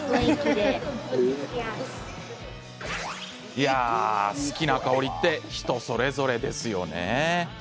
いやあ、好きな香りって人それぞれですよね。